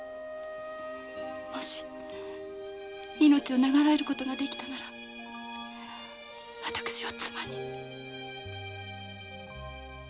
もし命を永らえることができたなら私を妻に。